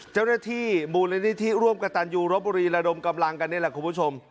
เจ้าหน้าที่มูลนิธิร่วมกับตันยูรบบุรีระดมกำลังกันนี่แหละคุณผู้ชม